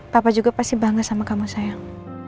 papa juga pasti bangga sama kamu sayang